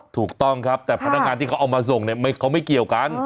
ถูกต้องครับแต่พนักงานที่เขาเอามาส่งเนี่ยเขาไม่เกี่ยวกัน